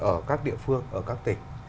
ở các địa phương ở các tỉnh